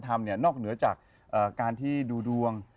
ทำเนั๊ยนอกเหนือจากการดูดวง